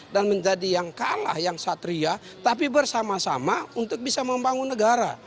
dan menjadi yang kalah yang satria tapi bersama sama untuk bisa membangun negara